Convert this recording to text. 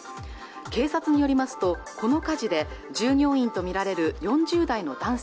警察によりますとこの火事で従業員と見られる４０代の男性